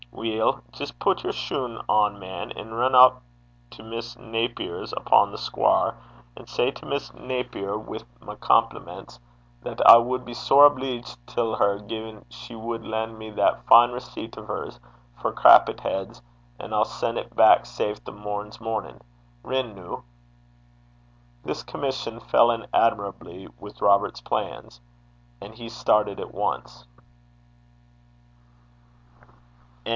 'Weel, jist pit yer shune on, man, and rin up to Miss Naper's upo' the Squaur, and say to Miss Naper, wi' my compliments, that I wad be sair obleeged till her gin she wad len' me that fine receipt o' hers for crappit heids, and I'll sen' 't back safe the morn's mornin'. Rin, noo.' This commission fell in admirably with Robert's plans, and he started at once.